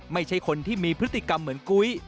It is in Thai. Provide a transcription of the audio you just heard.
ไม่ใช่คนที่มีพฤติกรรมเหมือนกุ้ย